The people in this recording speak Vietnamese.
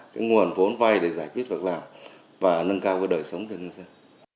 cái nguồn vốn vay để giải quyết vận làm và nâng cao cái đời sống cho nông dân